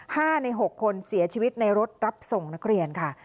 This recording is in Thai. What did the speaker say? ห้าในหกคนเสียชีวิตในรถรับส่งนักเรียนค่ะ